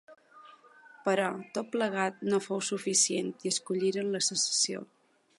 Però tot plegat no fou suficient i escolliren la secessió.